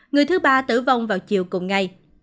người thứ ba tử vong vào chiều cùng ngày